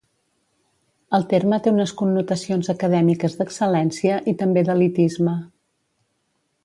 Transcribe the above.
El terme té unes connotacions acadèmiques d'excel·lència, i també d'elitisme.